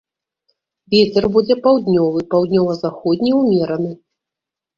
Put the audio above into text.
Вецер будзе паўднёвы, паўднёва-заходні ўмераны.